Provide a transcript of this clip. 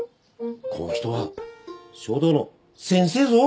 こん人は書道の先生ぞ。